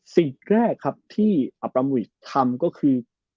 สิ่งแรกครับที่อัปรามีกทำก็คือ